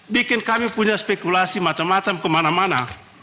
bikin kami punya spekulasi macam macam kemana mana